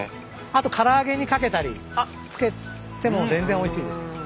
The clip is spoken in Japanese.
あと唐揚げにかけたりつけても全然おいしいです。